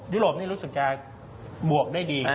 โรปนี่รู้สึกจะบวกได้ดี